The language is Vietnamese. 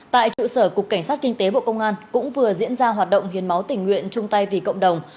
tại trụ sở cục cảnh sát kinh tế bộ công an cũng vừa diễn ra hoạt động hiến máu tình nguyện chung tay vì cộng đồng